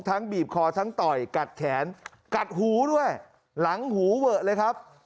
บีบคอทั้งต่อยกัดแขนกัดหูด้วยหลังหูเวอะเลยครับ